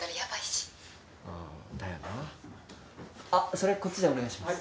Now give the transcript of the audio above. それこっちでお願いします。